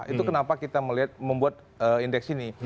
itu kenapa kita melihat membuat indeks ini